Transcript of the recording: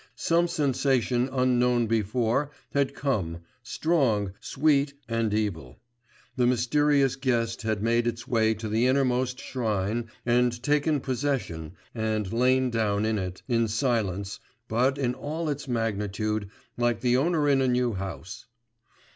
Some sensation unknown before had come, strong, sweet and evil; the mysterious guest had made its way to the innermost shrine and taken possession and lain down in it, in silence, but in all its magnitude, like the owner in a new house.